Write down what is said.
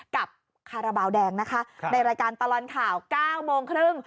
กับคาราบาลแดงนะคะในรายการตลอดข่าว๙โมงครึ่ง